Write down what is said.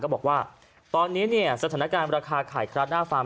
ก็บอกว่าตอนนี้สถานการณ์ราคาไข่ไก่หน้าฟาร์ม